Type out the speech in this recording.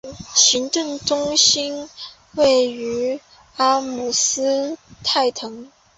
行政中心位于阿姆施泰滕。